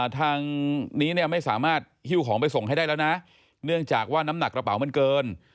ทางนี้เนี่ยไม่สามารถหิ้วของไปส่งให้ได้แล้วนะเนื่องจากว่าน้ำหนักกระเป๋ามันเกิน